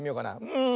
うん。